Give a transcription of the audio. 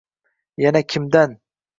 Yana — kimdan!